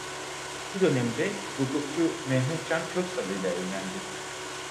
Bu dönemde hukukçu Mehmetcan Köksal ile evlendi.